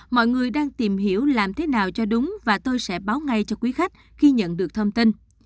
mọi người đang tìm hiểu làm thế nào cho đúng và tôi sẽ báo ngay cho quý khách khi nhận được thông tin